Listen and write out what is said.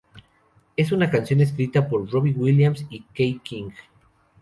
Es una canción escrita por Robbie Williams y K. King.